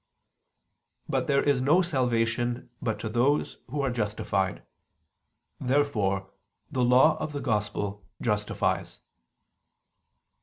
But there is no salvation but to those who are justified. Therefore the Law of the Gospel justifies.